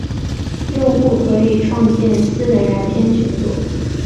用户可以创建私人聊天群组。